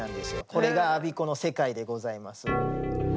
これがアビコの世界でございます。